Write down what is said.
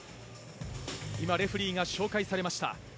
今、レフェリーが紹介されました。